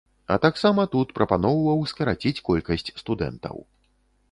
А таксама тут прапаноўваў скараціць колькасць студэнтаў.